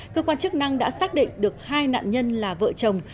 cơ quan chức năng đã xác định được hai nạn nhân là vợ chồng